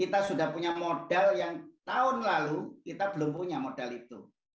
kita sudah punya modal yang tahun lalu kita belum punya modal itu